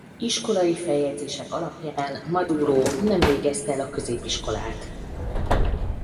Iskolai feljegyzések alapján Maduro nem végezte el a középiskolát.